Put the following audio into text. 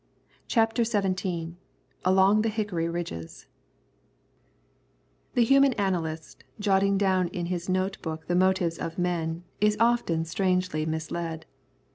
CHAPTER XVII ALONG THE HICKORY RIDGES The human analyst, jotting down in his note book the motives of men, is often strangely misled.